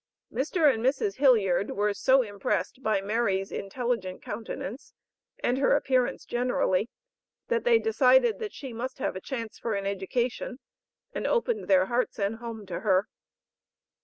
Mr. and Mrs. Hilliard were so impressed by Mary's intelligent countenance and her appearance generally, that they decided that she must have a chance for an education, and opened their hearts and home to her.